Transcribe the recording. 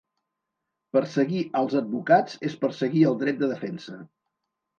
Perseguir als advocats és perseguir el dret de defensa.